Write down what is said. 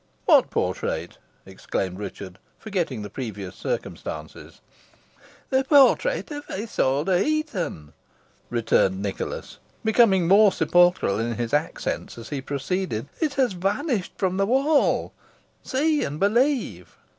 "What portrait?" exclaimed Richard, forgetting the previous circumstances. "The portrait of Isole de Heton," returned Nicholas, becoming more sepulchral in his accents as he proceeded; "it has vanished from the wall. See and believe."